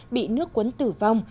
bị nước quấn tử vong